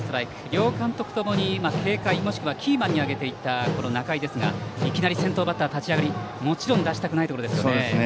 両監督ともに警戒、もしくはキーマンに挙げていたこの仲井ですがいきなり先頭バッターの立ち上がり、出したくないところ。